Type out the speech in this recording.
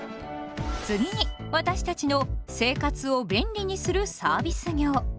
次に私たちの生活を便利にするサービス業。